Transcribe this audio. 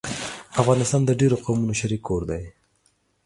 افغانستان د ډېرو قومونو شريک کور دی